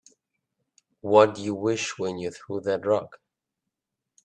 What'd you wish when you threw that rock?